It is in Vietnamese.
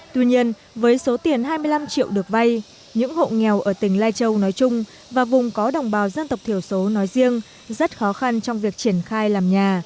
tuy nhiên với số tiền hai mươi năm triệu được vay những hộ nghèo ở tỉnh lai châu nói chung và vùng có đồng bào dân tộc thiểu số nói riêng rất khó khăn trong việc triển khai làm nhà